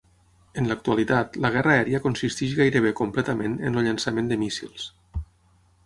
En l'actualitat, la guerra aèria consisteix gairebé completament en el llançament de míssils.